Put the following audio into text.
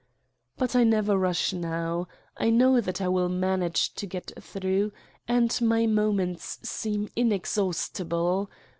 But I never rush now. I know that I will man age to get through and my moments seem inex haustible.